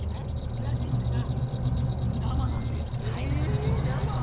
プラセンタが生なんですえっ生？